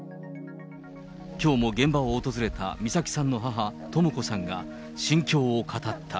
きょうも現場を訪れた美咲さんの母、とも子さんが、心境を語った。